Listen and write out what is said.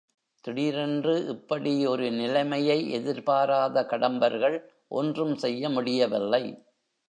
திடீரென்று இப்படி ஒரு நிலைமையை எதிர்பாராத கடம்பர்கள் ஒன்றும் செய்ய முடியவில்லை.